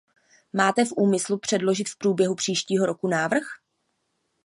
Máte v úmyslu předložit v průběhu příštího roku návrh.